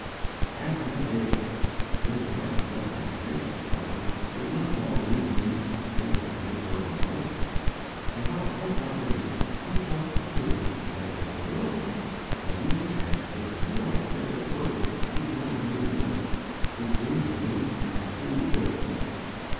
After that day of death, Mr. Wright felt that a gracious Father would not long leave him to sustain this great burden alone, and about a fortnight later he felt assured that it was the will of God that he should ask Mr. George Frederic Bergin to join him in the work, who seemed to him a _"true yoke fellow."